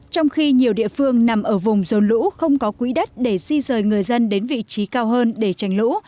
trong khi nhiều địa phương nằm ở vùng rồn lũ không có quỹ đất để di rời người dân đến vị trí cao hơn để tranh lũ